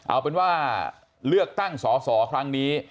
เอาเป็นว่าเลือกตั้งสอสอครั้งนี้